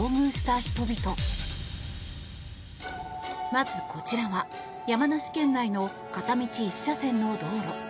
まず、こちらは山梨県内の片道１車線の道路。